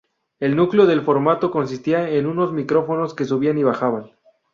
El núcleo del formato consistía en unos micrófonos que subían y bajaban.